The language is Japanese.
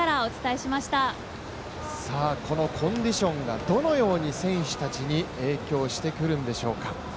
このコンディションがどのように選手たちに影響してくるんでしょうか。